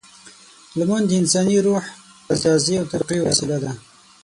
لمونځ د انساني روح د تغذیې او تقویې وسیله ده.